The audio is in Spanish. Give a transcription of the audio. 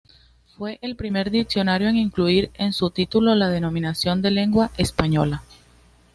Fue el primer diccionario en incluir en su título la denominación de "lengua española".